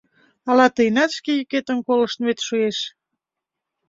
Ала тыйынат шке йӱкетым колыштмет шуэш?